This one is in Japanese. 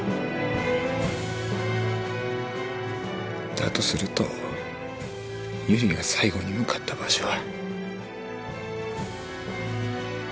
だとすると由理が最後に向かった場所は。